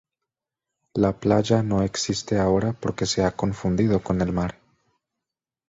La playa no existe ahora porque se ha confundido con el mar.